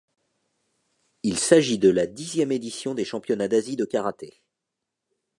Il s'agit de la dixième édition des championnats d'Asie de karaté.